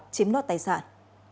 chiếm đoạt tài sản